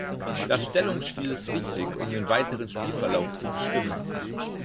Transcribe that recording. Das Stellungsspiel ist wichtig, um den weiteren Spielverlauf zu bestimmen.